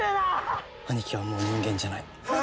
兄貴はもう人間じゃない。